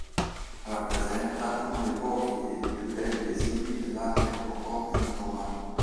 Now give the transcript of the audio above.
Rappresenta uno dei pochi e dei più begli esempi dell'arte rococò in Roma.